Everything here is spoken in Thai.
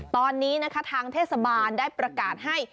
ตอนนี้นะคะทางเทศบาลได้ประกาศให้